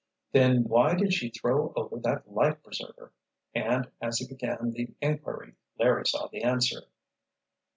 "Then why did she throw over that life preserver?—" and as he began the inquiry Larry saw the answer.